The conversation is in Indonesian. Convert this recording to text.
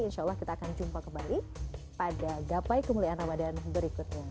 insya allah kita akan jumpa kembali pada gapai kemuliaan ramadhan berikutnya